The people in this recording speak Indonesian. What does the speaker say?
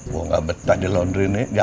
gue gak betah di laundry ini